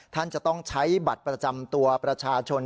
ท่านจะต้องใช้บัตรประจำตัวประชาชน